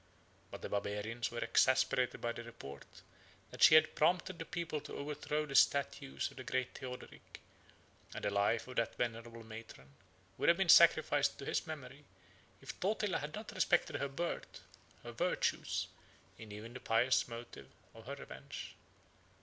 But the Barbarians were exasperated by the report, that she had prompted the people to overthrow the statues of the great Theodoric; and the life of that venerable matron would have been sacrificed to his memory, if Totila had not respected her birth, her virtues, and even the pious motive of her revenge.